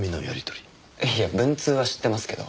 いや文通は知ってますけど。